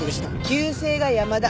旧姓が山田。